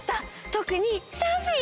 とくにサフィー！